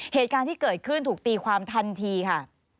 เหตุการณ์ที่เกิดขึ้นถูกตีความทันทีค่ะ